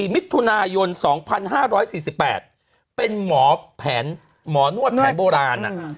มิถุนายน๒๕๔๘เป็นหมอแผนหมอนวดแผนโบราณ